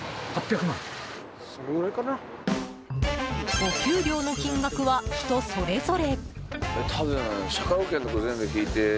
お給料の金額は人それぞれ。